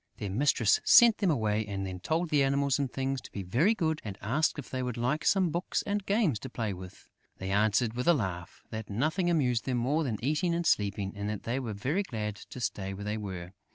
Their mistress sent them away and then told the Animals and Things to be very good and asked them if they would like some books and games to play with; they answered, with a laugh, that nothing amused them more than eating and sleeping and that they were very glad to stay where they were.